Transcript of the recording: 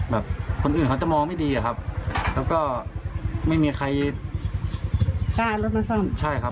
แบบคนกูมันจะมองไม่ดีนะครับแล้วก็ไม่มีใคร